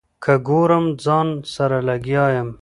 که ګورم ځان سره لګیا یم.